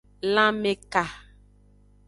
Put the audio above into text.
Lanmeka.